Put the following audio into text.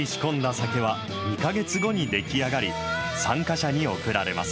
酒は、２か月後に出来上がり、参加者に贈られます。